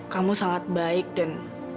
kamu sangat baik dan